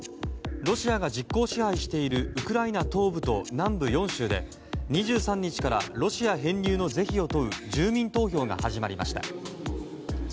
ロシアが実効支配しているウクライナ東部と南部４州で２３日からロシア編入の是非を問う住民投票が始まりました。